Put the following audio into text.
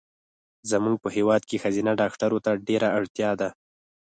زمونږ په هېواد کې ښځېنه ډاکټرو ته ډېره اړتیا ده